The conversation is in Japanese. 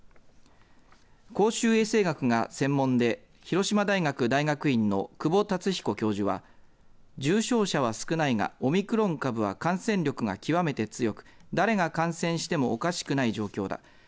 公衆衛生学が専門で広島大学大学院の久保達彦教授は重症者は少ないがオミクロン株は感染力が極めて強く誰が感染してもおかしくない状況だ。